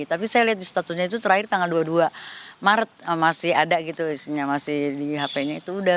tapi saya lihat di statusnya itu terakhir tanggal dua puluh dua maret masih ada gitu isinya masih di hp nya itu udah